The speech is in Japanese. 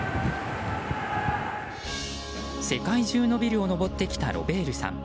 世界中のビルを登ってきたロベールさん。